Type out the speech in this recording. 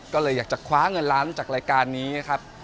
ก็เลยอยากจะคว้าเงินล้านจากรายการนี้นะครับ